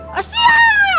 mengenai daripada adanya